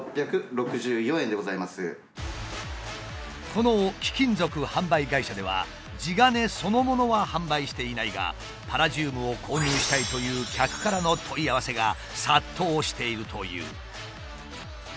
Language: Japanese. この貴金属販売会社では地金そのものは販売していないがパラジウムを購入したいという客からの問い合わせが殺到しているという。